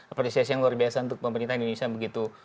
apresiasi yang luar biasa untuk pemerintah indonesia begitu